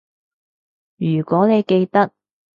如果你記得